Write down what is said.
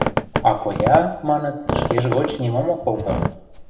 А коя, маныт, шкеж гоч нимом ок колто.